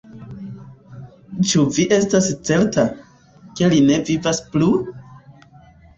Ĉu vi estas certa, ke li ne vivas plu?